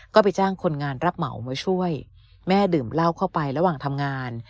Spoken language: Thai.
ก็ไปจ้างคนงานรับเหมามาช่วยแม่ดื่มเหล้าเข้าไประหว่างทำงาน